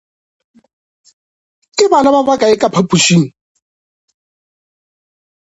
Ke bana ba ba kae ka phapošing?